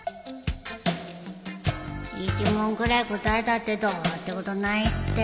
１問くらい答えたってどうってことないって